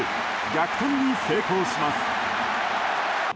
逆転に成功します。